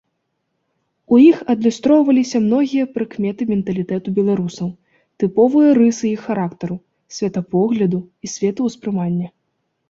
У іх адлюстроўваліся многія прыкметы менталітэту беларусаў, тыповыя рысы іх характару, светапогляду і светаўспрымання.